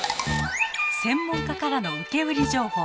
専門家からの受け売り情報。